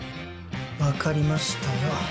分かりましたよ